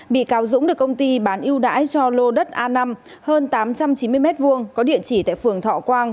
bị cáo dũng được công ty bán ưu đãi cho lô đất a năm hơn tám trăm chín mươi m hai có địa chỉ tại phường thọ quang